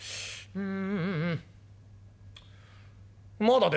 うん。